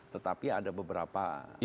tetapi ada beberapa